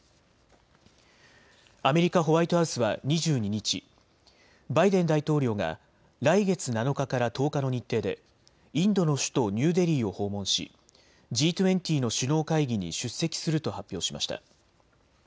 アメリカ・ホワイトハウスは２２日、バイデン大統領が来月７日から１０日の日程でインドの首都ニューデリーを訪問しＧ２０の首脳会議に出席すると発表しました。